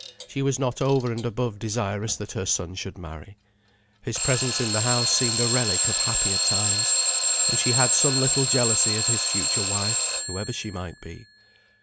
She was not over and above desirous that her son should marry. His presence in the house seemed a relic of happier times, and she had some little jealousy of his future wife, whoever she might be.